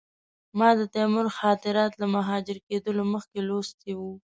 ما د تیمور خاطرات له مهاجر کېدلو مخکې لوستي وو.